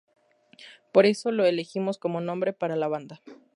Por eso lo elegimos como nombre para la banda.